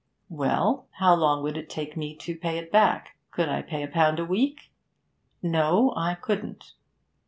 Well, how long would it take me to pay it back? Could I pay a pound a week? No, I couldn't.